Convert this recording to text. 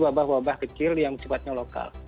wabah wabah kecil yang sifatnya lokal